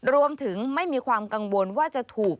รวมถึงไม่มีความกังวลว่าจะถูก